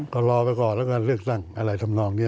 ก็รอไปก่อนแล้วกันเลือกตั้งอะไรทำนองนี้